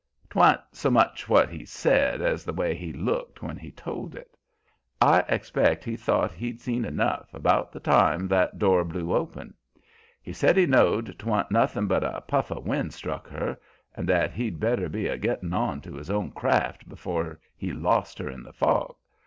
'Twan't so much what he said as the way he looked when he told it. I expect he thought he'd seen enough, about the time that door blew open. He said he knowed 'twas nothin' but a puff o' wind struck her, and that he'd better be a gittin' on to his own craft before he lost her in the fog.